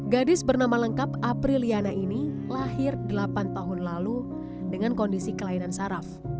gadis bernama lengkap april liana ini lahir delapan tahun lalu dengan kondisi kelainan saraf